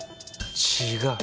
違う。